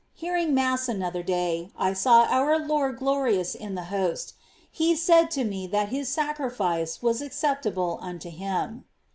Hearing Mass another day, I saw our Lord glorious in the Host ; He said to me that his sacrifice was acceptable unto Him.